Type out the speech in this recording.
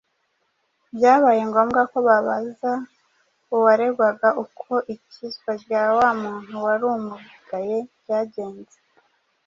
byabaye ngombwa ko babaza uwaregwaga uko ikizwa rya wa muntu wari umugaye ryagenze.